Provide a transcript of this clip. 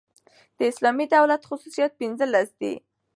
د اسلامي دولت خصوصیات پنځلس دي.